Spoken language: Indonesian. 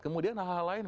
kemudian hal hal lain